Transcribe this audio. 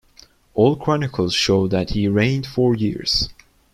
All chronicles show that he reigned four years.